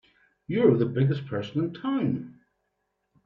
You're the biggest person in town!